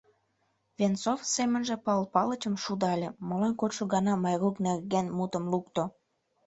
Венцов семынже Пал Палычым шудале: «Молан кодшо гана Майрук нерген мутым лукто?